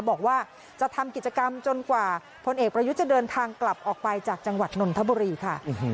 บอกว่าจะทำกิจกรรมจนกว่าพลเอกประยุทธ์จะเดินทางกลับออกไปจากจังหวัดนนทบุรีค่ะ